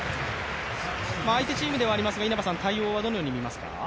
相手チームではありますが、対応はどのように見ますか？